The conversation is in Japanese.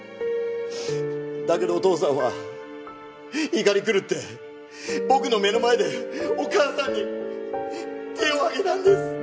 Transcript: だけどお義父さんは怒り狂って僕の目の前でお義母さんに手を上げたんです！